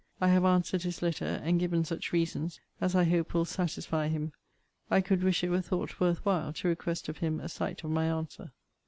I have answered his letter; and given such reasons as I hope will satisfy him. I could wish it were thought worth while to request of him a sight of my answer.